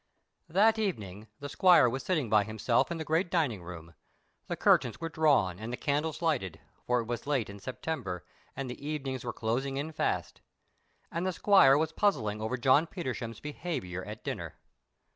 ] That evening the squire was sitting by himself in the great dining room. The curtains were drawn and the candles lighted, for it was late in September, and the evenings were closing in fast, and the squire was puzzling over John Petersham's behaviour at dinner.